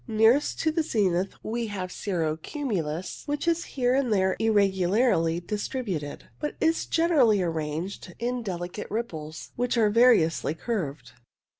Nearest to the zenith we have cirro cumulus, which is here and there irregu larly distributed, but is generally arranged in deli cate ripples, which are variously curved.